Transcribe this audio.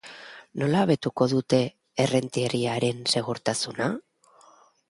Nola hobetuko dute errentariaren segurtasuna?